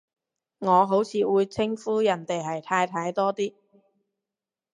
我好似會稱呼人哋係太太多啲